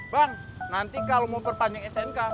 bang nanti kalau mau perpanjang snk